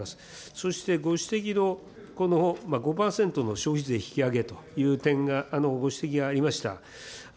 そして、ご指摘のこの５％の消費税引き上げという点が、ご指摘がありました。